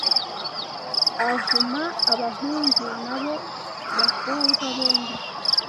avuma Abahungu nabo bakobwa Bombi